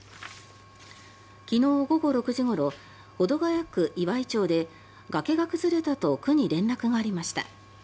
昨日午後６時ごろ保土ケ谷区岩井町で崖が崩れたと区に連絡がありました。